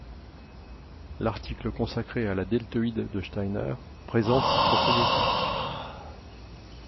L'article consacré à la deltoïde de Steiner présente ses propriétés.